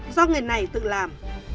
do người này tự làm